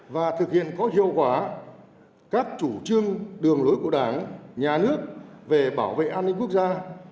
và thực hiện có hiệu quả các chủ trương đường lối của đảng nhà nước về bảo vệ an ninh quốc gia